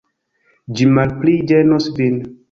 Ĝi malpli ĝenos vin.